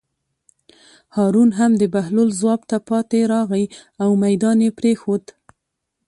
هارون هم د بهلول ځواب ته پاتې راغی او مېدان یې پرېښود.